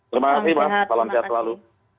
terima kasih mas salam sehat selalu